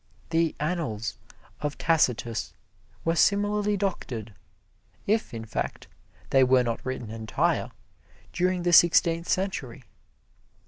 The "Annals" of Tacitus were similarly doctored, if in fact they were not written entire, during the Sixteenth Century.